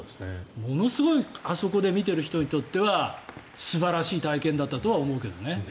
ものすごいあの場所で見ていた人にとっては素晴らしい体験だったとは思うけどね。